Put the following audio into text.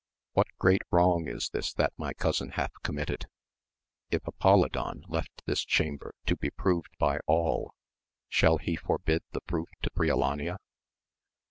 What great wrong is this that my cousin hath committed 1 If Apolidon left this chamber to be proved by all, shall he forbid the proof to Briolania